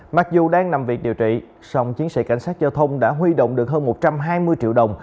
mặc dù đang nằm viện điều trị song chiến sĩ cảnh sát giao thông đã huy động được hơn một trăm hai mươi triệu đồng